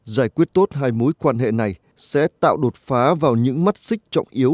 giải quyết tốt hai mối quan hệ này sẽ tạo đột phá vào những mắt xích trọng yếu